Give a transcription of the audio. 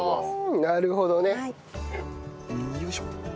なるほどね。よいしょ。